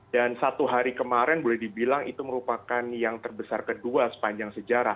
dan satu hari kemarin boleh dibilang itu merupakan yang terbesar kedua sepanjang sejarah